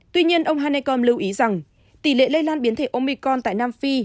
tuy nhiên ông hanekom lưu ý rằng tỷ lệ lây lan biến thể omicron tại nam phi